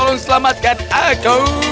tolong selamatkan aku